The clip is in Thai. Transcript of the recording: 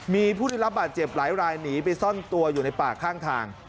มีผู้ได้รับบาดเจ็บหลายรายหนีไปซ่อนตัวอยู่ในป่าข้างทาง